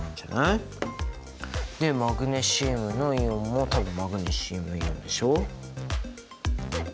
でマグネシウムのイオンも多分「マグネシウムイオン」でしょ？